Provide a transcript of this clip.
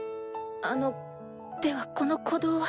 あのではこの鼓動は？